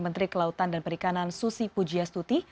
menteri kelautan dan perikanan susi pujias tuti